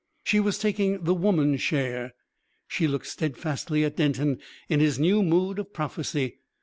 She was taking the woman's share. She looked steadfastly at Denton in his new mood of prophecy.